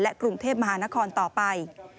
กรุงเทพมหานครต่อไป